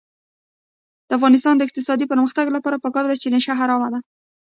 د افغانستان د اقتصادي پرمختګ لپاره پکار ده چې نشه حرامه ده.